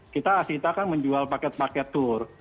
kita asli kita kan menjual paket paket tour